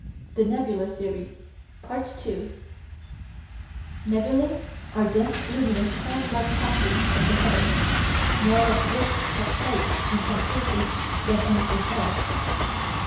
THE NEBULAR THEORY § 2 Nebulæ are dim luminous cloud like patches in the heavens, more like wisps of smoke in some cases than anything else.